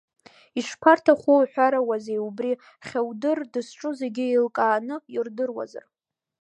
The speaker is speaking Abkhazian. Ишԥарҭаху уҳәарауазеи абри Хьудар дызҿу зегьы еилкааны ирдыруазар.